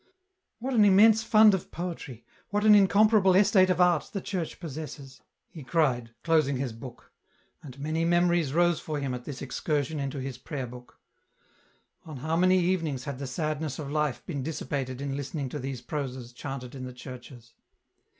" What an immense fund of poetry, what an incomparable estate of art the Church possesses !" he cried, closing his book ; and many memories rose for him at this excursion into his prayer book. On how many evenings had the sadness of life been dissipated in listening to these proses chanted in the churches